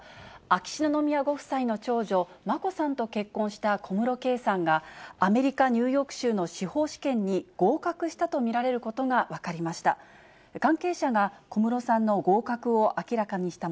秋篠宮ご夫妻の長女、眞子さんと結婚した小室圭さんが、アメリカ・ニューヨーク州の司法試験に合格したと見られることが分かりました。